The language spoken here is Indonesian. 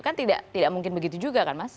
kan tidak mungkin begitu juga kan mas